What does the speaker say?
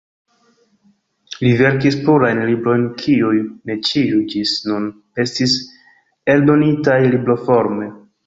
Li verkis plurajn librojn kiuj ne ĉiuj ĝis nun estis eldonitaj libroforme.